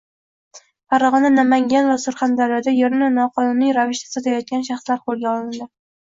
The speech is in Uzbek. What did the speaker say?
Farg‘ona, Namangan va Surxondaryoda yerni noqonuniy ravishda sotayotgan shaxslar qo‘lga olindi